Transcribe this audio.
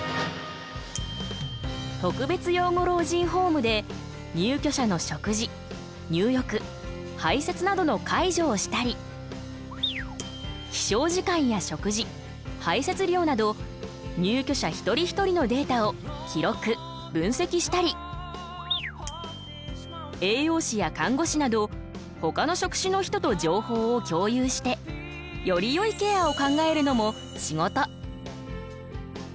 特別養護老人ホームで入居者の食事入浴はいせつなどの介助をしたり起床時間や食事はいせつ量など入居者一人一人のデータを記録分析したり栄養士や看護師などほかの職種の人と情報を共有してよりよいケアを考えるのも仕事。